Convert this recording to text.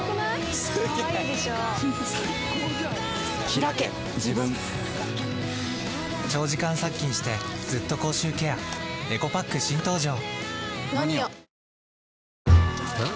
ひらけ自分長時間殺菌してずっと口臭ケアエコパック新登場！